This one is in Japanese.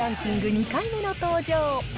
２回目の登場。